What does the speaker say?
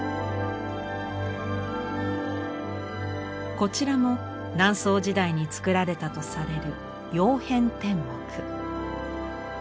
こちらも南宋時代に作られたとされる「曜変天目」。